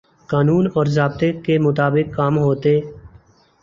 قانون اور ضابطے کے مطابق کام ہوتے۔